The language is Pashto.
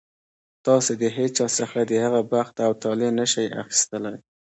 تاسو د هېچا څخه د هغه بخت او طالع نه شئ اخیستلی.